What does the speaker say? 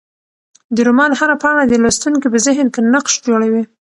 د رومان هره پاڼه د لوستونکي په ذهن کې نقش جوړوي.